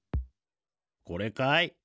これかい？